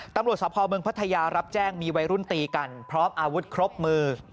ตำรวจสภเมืองพัทยารับแจ้งมีวัยรุ่นตีกันพร้อมอาวุธครบมือ